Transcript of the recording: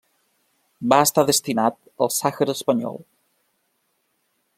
Va estar destinat al Sàhara Espanyol.